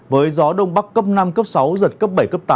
với gió đông bắc cấp năm cấp sáu giật cấp bảy cấp tám